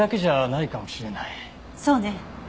そうね。